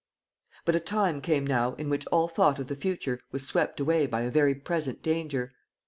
But a time came now in which all thought of the future was swept away by a very present danger.